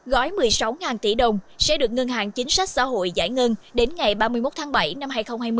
gói một mươi sáu tỷ đồng sẽ được ngân hàng chính sách xã hội giải ngân đến ngày ba mươi một tháng bảy năm hai nghìn hai mươi